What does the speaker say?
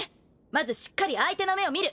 まずしっかり相手の目を見る。